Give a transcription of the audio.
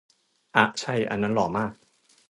อ๊ะ ใช่ อันนั้นหล่อมาก